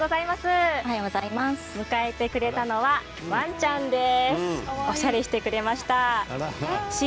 迎えてくれたのはワンちゃんです。